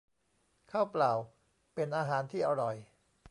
ข้าวเปล่า เป็นอาหารที่อร่อย